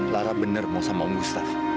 lara bener mau sama om gustaf